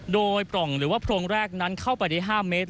โดยปล่องหรือว่าโพรงแรกนั้นเข้าไปได้๕เมตร